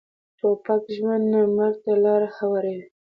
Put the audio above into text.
توپک ژوند نه، مرګ ته لاره هواروي.